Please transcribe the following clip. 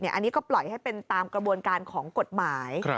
อันนี้ก็ปล่อยให้เป็นตามกระบวนการของกฎหมาย